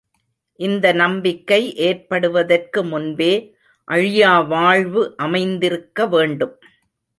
இந்த நம்பிக்கை ஏற்படுவதற்கு முன்பே அழியா வாழ்வு அமைந்திருக்க வேண்டும்.